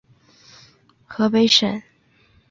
湖北省邮政管理局亦将发件方之经营许可证吊销。